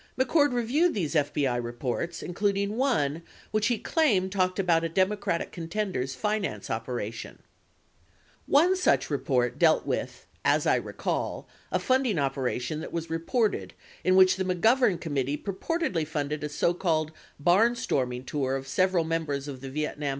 McCord reviewed these FBI reports, including one which he claimed talked about a Democratic contender's finance operation : One such report dealt with, as I recall, a funding opera tion that was reported in which the McGovern committee purportedly funded a so called barnstorming tour of several members of the Vietnam Veterans Against the War